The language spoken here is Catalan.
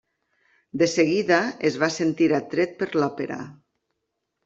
De seguida es va sentir atret per l'òpera.